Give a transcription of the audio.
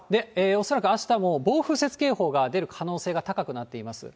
恐らくあした暴風雪警報が出る可能性が高くなっています。